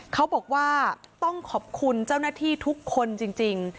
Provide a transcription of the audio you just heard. เขาบอกว่าต้องขอบคุณเจ้าหน้าที่ทุกคนจริง